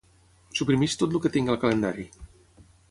Suprimeix tot el que tingui al calendari.